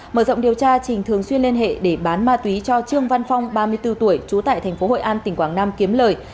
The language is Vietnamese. mở rộng điều tra trình thường xuyên liên hệ để bán ma túy cho trương văn phong ba mươi bốn tuổi trú tại thành phố hội an tỉnh quảng nam kiếm lời